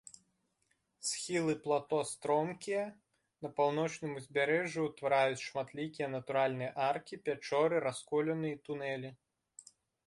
Схілы плато стромкія, на паўночным узбярэжжы ўтвараюць шматлікія натуральныя аркі, пячоры, расколіны і тунэлі.